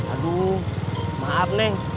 aduh maaf neng